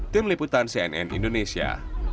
tim liputan cnn indonesia